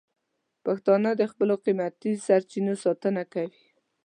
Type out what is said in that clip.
پښتانه د خپلو قیمتي سرچینو ساتنه کوي.